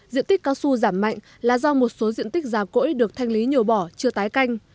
diện tích cao su giảm mạnh là do một số diện tích già cỗi được thanh lý nhổ bỏ chưa tái canh